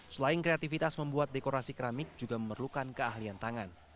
selain kreativitas membuat dekorasi keramik juga memerlukan keahlian tangan